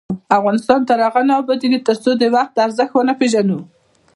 افغانستان تر هغو نه ابادیږي، ترڅو د وخت ارزښت ونه پیژنو.